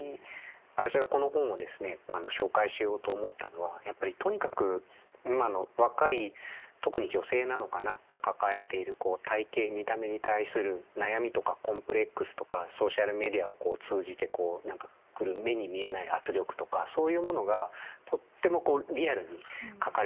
私がこの本をですね紹介しようと思ったのはやっぱりとにかく今の若い特に女性なのかなが抱えている体形見た目に対する悩みとかコンプレックスとかソーシャルメディアを通じて来る目に見えない圧力とかそういうものがとってもこうリアルに書かれている。